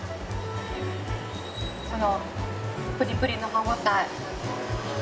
このプリプリの歯応え。